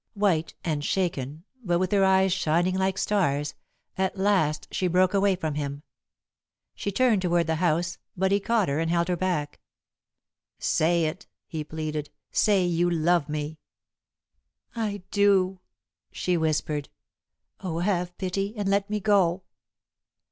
White and shaken, but with her eyes shining like stars, at last she broke away from him. She turned toward the house, but he caught her and held her back. "Say it," he pleaded. "Say you love me!" "I do," she whispered. "Oh, have pity, and let me go!"